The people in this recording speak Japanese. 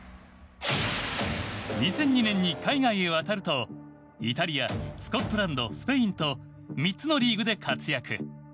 ２００２年に海外へ渡るとイタリアスコットランドスペインと３つのリーグで活躍。